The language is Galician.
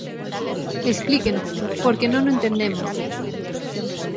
Explíqueno, porque non o entendemos.